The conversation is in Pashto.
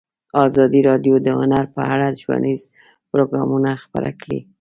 ازادي راډیو د هنر په اړه ښوونیز پروګرامونه خپاره کړي.